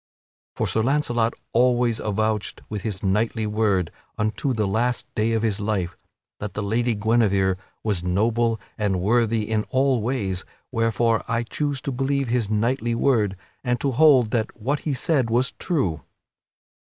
For Sir Launcelot always avouched with his knightly word, unto the last day of his life, that the Lady Guinevere was noble and worthy in all ways, wherefore I choose to believe his knightly word and to hold that what he said was true.